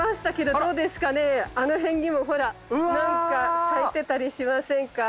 あの辺にもほらなんか咲いてたりしませんか。